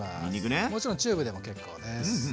もちろんチューブでも結構です。